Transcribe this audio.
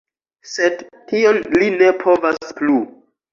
Sed tion li ne povas plu.